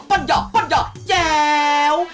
ปัญญาแขยว